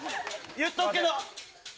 言っておくけど。